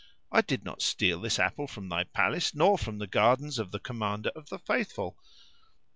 I did not steal this apple from thy palace nor from the gardens of the Commander of the Faithful.